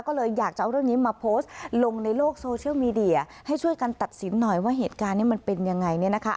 ก็เลยอยากจะเอาเรื่องนี้มาโพสต์ลงในโลกโซเชียลมีเดียให้ช่วยกันตัดสินหน่อยว่าเหตุการณ์นี้มันเป็นยังไงเนี่ยนะคะ